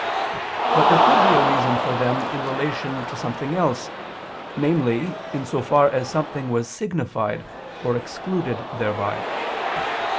But there could be a reason for them in relation to something else: namely, in so far as something was signified or excluded thereby.